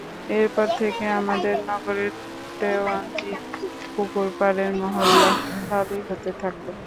এরপর থেকে আমাদের নগরের দেওয়ানজী পুকুর পাড়ের মহল্লা খালি হতে থাকল।